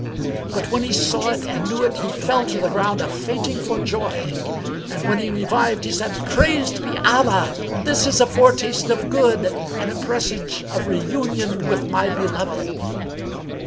But when he saw it and knew it, he fell to the ground a fainting for joy; and, when he revived, he said, "Praised be Allah! This is a foretaste of good and a presage of reunion with my beloved."